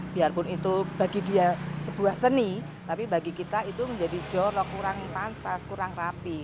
biarpun itu bagi dia sebuah seni tapi bagi kita itu menjadi jorok kurang pantas kurang rapi